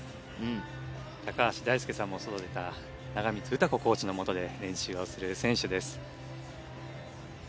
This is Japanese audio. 高橋大輔さんも育てた長光歌子コーチのもとで練習をする選手です。